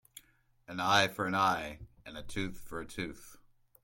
An eye for an eye and a tooth for a tooth.